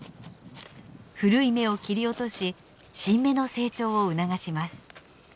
古い芽を切り落とし新芽の成長を促します。